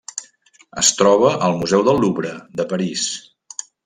Es troba al Museu del Louvre de París.